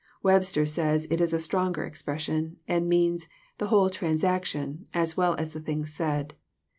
Webster says it is a stronger expression, and means *Hhe whole transaction," as well as the things said.